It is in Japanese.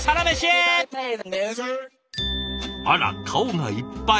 あら顔がいっぱい！